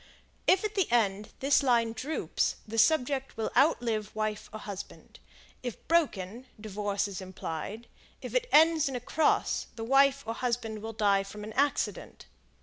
If the end at this line droops the subject will outlive wife or husband; if broken, divorce is implied; if it ends in a cross, the wife or husband will die from an accident.